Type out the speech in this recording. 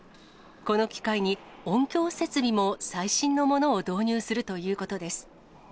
この機会に、音響設備も最新のものを導入するということです。